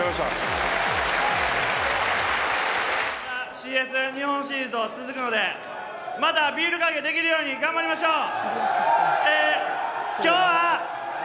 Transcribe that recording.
ＣＳ、日本シリーズと続くのでまたビールかけできるように頑張りましょう！